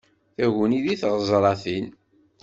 Taguni deg tɣeẓṛatin.